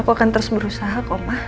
aku akan terus berusaha kok mah